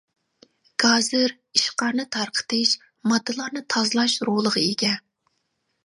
گازىر ئىشقارنى تارقىتىش، ماددىلارنى تازىلاش رولىغا ئىگە.